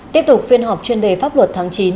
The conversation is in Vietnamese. tiếp tục phiên họp chuyên đề pháp luật tháng chín